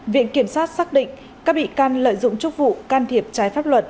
viện kiểm sát xác định các bị can lợi dụng chúc vụ can thiệp trái pháp luật